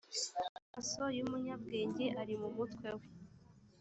amaso y umunyabwenge ari mu mutwe we